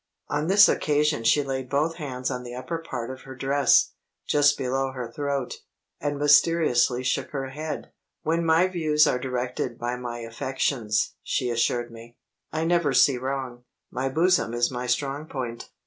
On this occasion she laid both hands on the upper part of her dress, just below her throat, and mysteriously shook her head. "When my views are directed by my affections," she assured me, "I never see wrong. My bosom is my strong point."